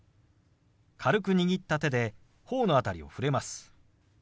軽く握った手で頬の辺りを触れます。